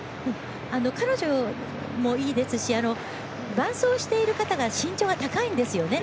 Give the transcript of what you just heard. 彼女もいいですし伴走している方が身長が高いんですよね。